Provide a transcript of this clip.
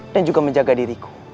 dan juga menjaga diriku